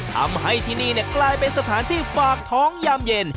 ทำให้ที่นี่กลายเป็นสถานที่ฝากท้องยามเย็น